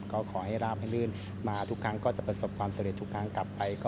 ก็ขอให้ราบให้ลื่นมาทุกครั้งก็จะประสบความสำเร็จทุกครั้งกลับไป